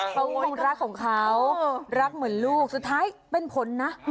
เขาคงรักของเขารักเหมือนลูกสุดท้ายเป็นผลนะ